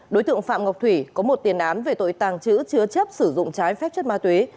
đối tượng phạm ngọc thủy có một tiền án về tội tàng trữ chứa chấp sử dụng trái phép chất ma túy